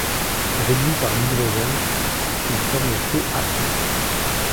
Réduit par l'hydrogène, il forme PaO.